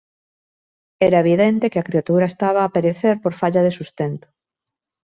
Era evidente que a criatura estaba a perecer por falla de sustento.